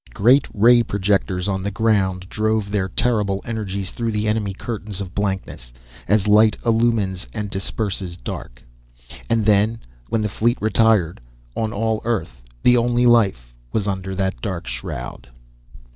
Great ray projectors on the ground drove their terrible energies through the enemy curtains of blankness, as light illumines and disperses darkness. And then, when the fleet retired, on all Earth, the only life was under that dark shroud!